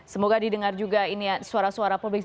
semoga didengar juga suara suara publik